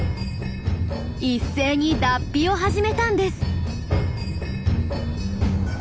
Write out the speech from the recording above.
一斉に脱皮を始めたんです。